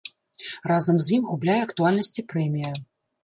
Разам з ім губляе актуальнасць і прэмія.